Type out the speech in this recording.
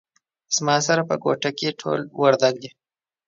زما سره په کوټه کې ټول وردګ دي